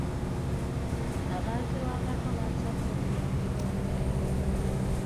Abaazirwanako baasabye obuyambi bw'emmere .